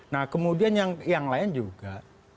nah kemudian yang lain juga